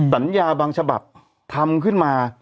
สัญญาบางฉบับทำขึ้นมา